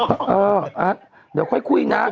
เออจึงเหรอเราค่น